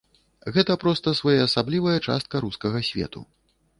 Гэта проста своеасаблівая частка рускага свету.